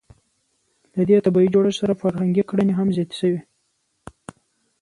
له دې طبیعي جوړښت سره فرهنګي کړنې هم زیاتې شوې.